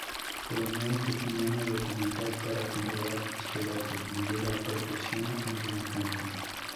Pero no hay testimonio documental para comprobar este dato, ni Vera proporciona alguna fuente.